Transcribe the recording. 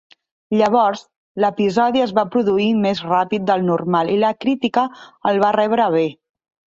Llavors, l'episodi es va produir més ràpid del normal i la crítica el va rebre bé.